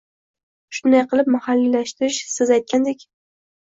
Shunday qilib, mahalliylashtirish, siz aytgandek